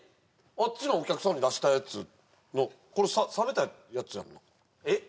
あっちのお客さんに出したやつのこれ冷めたやつやんなえっ？